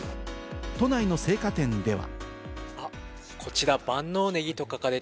都内の青果店では。